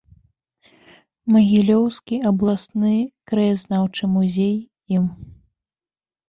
Магілёўскі абласны краязнаўчы музей ім.